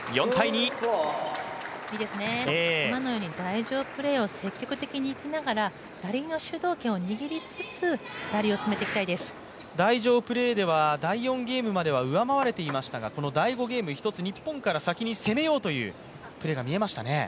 今のように台上プレーを積極的にいきながらラリーの主導権を握りつつ台上プレーでは第４ゲームまでは上回れていましたが、第５ゲーム、日本から攻めようというのが見えましたね。